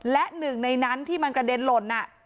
และหนึ่งในนั้นที่มันกระเด็นหล่น